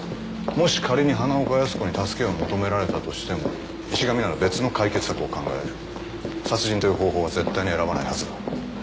もし仮に花岡靖子に助けを求められたとしても石神なら別の解決策を考える殺人という方法は絶対に選ばないはずだ